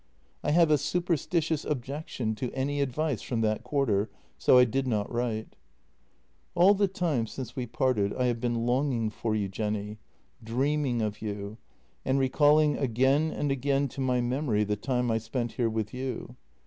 I have a superstitious objection to any advice from that quarter, so I did not write. " All the time since we parted I have been longing for you, Jenny, dreaming of you, and recalling again and again to my memory the time I spent here with you.